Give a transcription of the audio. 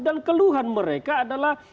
dan keluhan mereka adalah